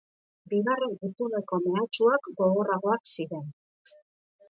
Bigarren gutuneko mehatxuak gogorragoak ziren.